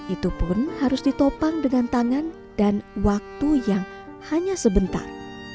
itu pun harus ditopang dengan tangan dan waktu yang hanya sebentar